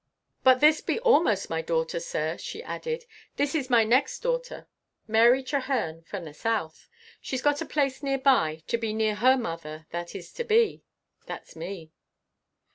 But this be almost my daughter, sir," she added. "This is my next daughter, Mary Trehern, from the south. She's got a place near by, to be near her mother that is to be, that's me."